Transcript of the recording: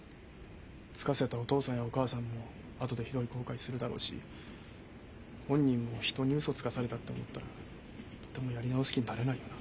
つかせたお父さんやお母さんも後でひどい後悔するだろうし本人も人にウソつかされたって思ったらとてもやり直す気になれないよな。